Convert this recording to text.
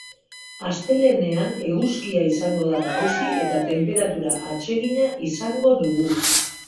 Astelehenean eguzkia izango da nagusi eta tenperatura atsegina izango dugu.